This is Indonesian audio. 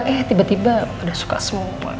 eh tiba tiba udah suka semua